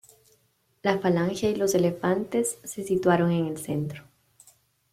La falange y los elefantes se situaron en el centro.